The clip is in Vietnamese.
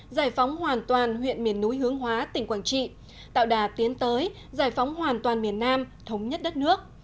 giải phóng hoàn toàn huyện miền núi hướng hóa tỉnh quảng trị tạo đà tiến tới giải phóng hoàn toàn miền nam thống nhất đất nước